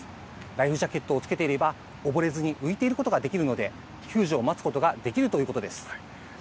ライフジャケットを着けていれば、溺れずに浮いていることができるので、救助を待つことができるということです。